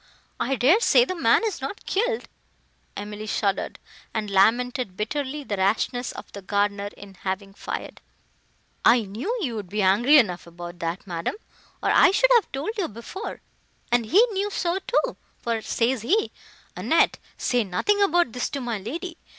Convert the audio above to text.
I dare say the man is not killed." Emily shuddered, and lamented bitterly the rashness of the gardener in having fired. "I knew you would be angry enough about that, madam, or I should have told you before; and he knew so too; for, says he, 'Annette, say nothing about this to my lady.